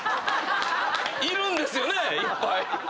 ⁉いるんですよねいっぱい。